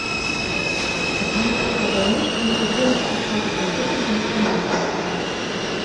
Es handelte sich dabei nicht um die gewöhnliche Abfolge von Bitten und Spendenzusagen.